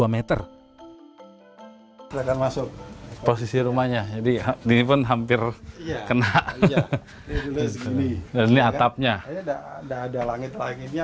dua meter masuk posisi rumahnya jadi ini pun hampir kena ini atapnya ada langit langitnya